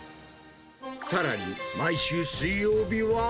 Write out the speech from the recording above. さらに、毎週水曜日は。